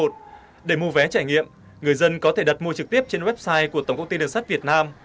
để mua vé trải nghiệm người dân có thể đặt mua trực tiếp trên website của tổng công ty đường sắt việt nam